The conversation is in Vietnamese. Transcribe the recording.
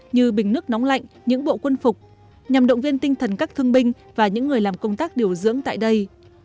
như bình nước nóng lạnh những bộ quân phục nhằm động viên tinh thần các thương binh và những người làm công tác điều dưỡng tại đây